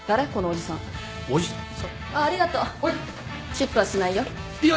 チップはしないよ。